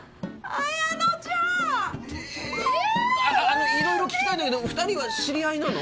あの色々聞きたいんだけど２人は知り合いなの？